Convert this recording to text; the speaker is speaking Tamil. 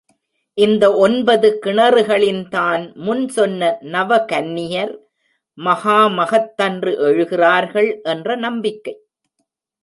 இந்த ஒன்பது கிணறுகளின் தான், முன் சொன்ன நவகன்னியர் மகாமகத்தன்று எழுகிறார்கள் என்ற நம்பிக்கை.